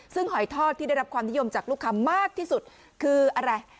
ซึ่งหอยทอดที่ได้รับความนิยมจากลูกค้ามากที่สุดคืออะไร